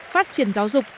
phát triển giáo dục